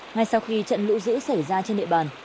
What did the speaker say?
ngay sau khi trận lũ dữ xảy ra trên địa bàn